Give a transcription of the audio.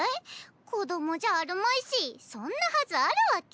子供じゃあるまいしそんなはずあるわけ。